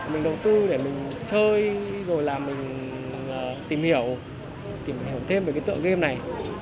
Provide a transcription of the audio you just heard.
mình đầu tư để mình chơi rồi là mình tìm hiểu tìm hiểu thêm về cái tượng game này